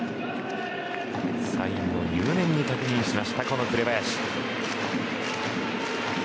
サインを入念に確認した紅林。